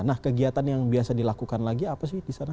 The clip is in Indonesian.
nah kegiatan yang biasa dilakukan lagi apa sih di sana